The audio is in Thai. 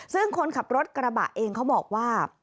ซึ่งคนขับรถกระบะเองเขาบอกว่า